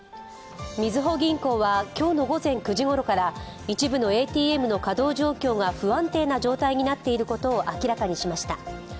みずほ銀行は今日の午前９時ごろから一部のＡＴＭの稼働状況が不安定な状態になっていることを明らかにしました。